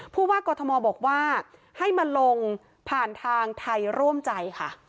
ผู้ว่ากอทมบอกว่าให้มาลงผ่านทางไทยร่วมใจค่ะ